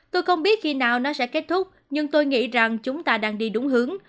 tôi không biết khi nào nó sẽ kết thúc nhưng tôi nghĩ rằng chúng ta đang đi đúng hướng